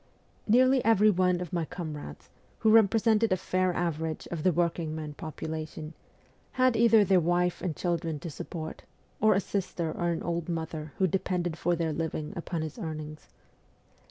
\ Nearly every one of my comrades, who represented a fair average of the working men population, had either their wife and children to support, or a sister or an old mother who depended for their living upon his earnings.